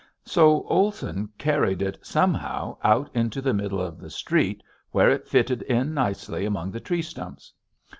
So Olson carried it somehow out into the middle of the street where it fitted in nicely among the tree stumps.